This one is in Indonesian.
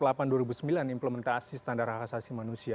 dan implementasi standar khasasi manusia